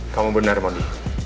kamu benar mondi